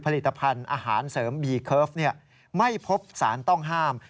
ผลิตภัณฑ์อาหารเสริมบีเคิร์ฟไม่พบสารต้องห้าม